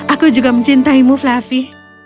aku juga mencintaimu fluffy